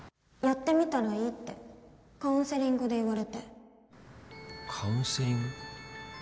やってみたらいいってカウンセリングで言われてカウンセリング？